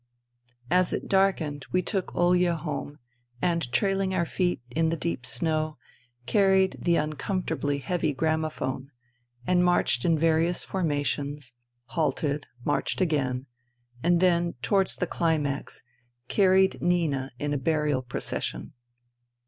...'* As it darkened we took Olya home, and trailing our feet in the deep snow, carried the uncomfortably heavy gramophone, and marched in various for mations, halted, marched again, and then, towards the climax, carried Nina in a burial procession.